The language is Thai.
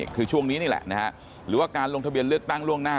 ยืนยันว่ากรกฎตอมีความพร้อมนะ